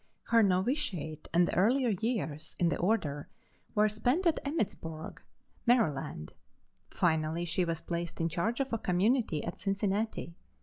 Her novitiate and earlier years in the order were spent at Emmittsburg, Md. Finally she was placed in charge of a community at Cincinnati.